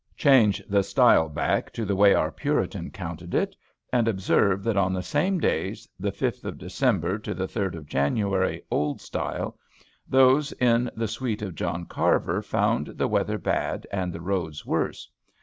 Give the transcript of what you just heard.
Change the style back to the way our Puritans counted it, and observe that on the same days, the 5th of December to the 3d of January, Old Style, those in the suite of John Carver found the weather bad and the roads worse.